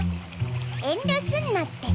遠慮すんなって。